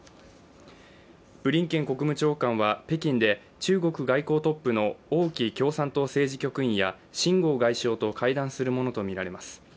ブリンケン国務長官は北京で中国外交トップの王毅共産党政治局員や秦剛外相と会談するものとみられます。